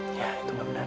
iya itu gak bener